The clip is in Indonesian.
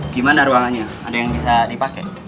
gimana ruangannya ada yang bisa dipakai